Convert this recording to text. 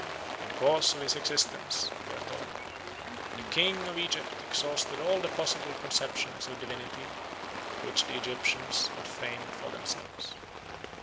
"In the course of his existence," we are told, "the king of Egypt exhausted all the possible conceptions of divinity which the Egyptians had framed for themselves.